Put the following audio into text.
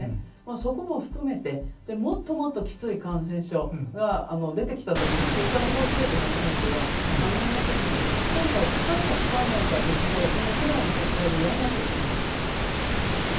そこも含めてもっともっときつい感染症が出てきたときに、そこから法整備を始めては間に合いませんので、今回、使うか使わないかは別で、この議論を国会でやらなきゃだめです。